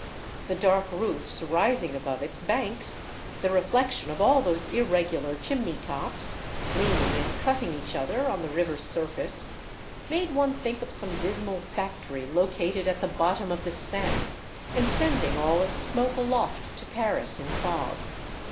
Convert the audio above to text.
The dark roofs rising above its banks, the reflection of all those irregular chimney tops, leaning and cutting each other on the river's surface, made one think of some dismal factory located at the bottom of the Seine, and sending all its smoke aloft to Paris in fog.